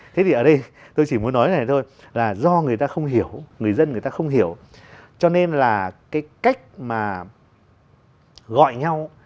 thế thì ở đây tôi chỉ muốn nói này thôi là do người ta không hiểu người dân người ta không hiểu cho nên là cái cách mà gọi nhau